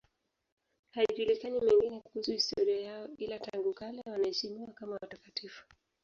Hayajulikani mengine kuhusu historia yao, ila tangu kale wanaheshimiwa kama watakatifu.